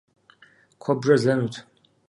Куэбжэр злэнут.